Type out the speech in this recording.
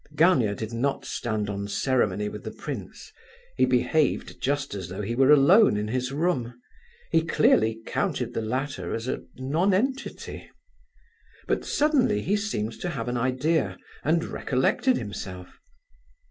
Gania did not stand on ceremony with the prince; he behaved just as though he were alone in his room. He clearly counted the latter as a nonentity. But suddenly he seemed to have an idea, and recollected himself.